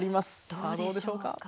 どうでしょうか？